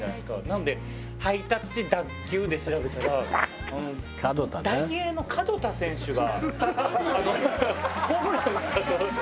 なので「ハイタッチ脱臼」で調べたらダイエーの門田選手が。それが出てきて。